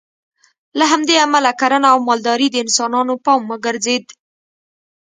له همدې امله کرنه او مالداري د انسانانو پام وګرځېد